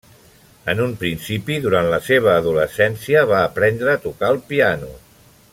En un principi, durant la seva adolescència, va aprendre a tocar el piano.